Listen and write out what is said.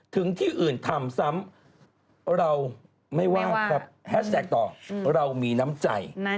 ถึงที่อื่นทำซ้ำเราไม่ว่าครับแฮชแท็กต่อเรามีน้ำใจ